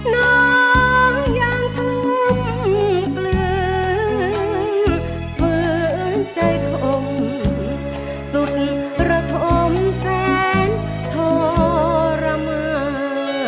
น้องยังกลุ่มเกลืองเพิ่งใจข่มสุดระทมแสนทรมาน